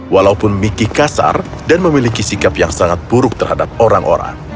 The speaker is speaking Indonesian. walaupun miki kasar dan memiliki sikap yang sangat buruk terhadap orang orang